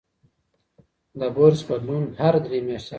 د برس بدلون هر درې میاشتې اړین دی.